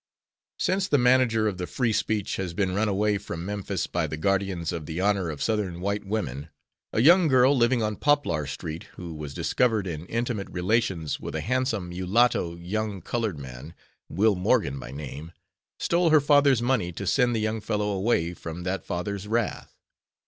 Since the manager of the Free Speech has been run away from Memphis by the guardians of the honor of Southern white women, a young girl living on Poplar St., who was discovered in intimate relations with a handsome mulatto young colored man, Will Morgan by name, stole her father's money to send the young fellow away from that father's wrath.